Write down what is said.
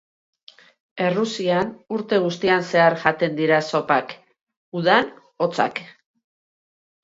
Errusian urte guztian zehar jaten dira zopak, udan hotzak.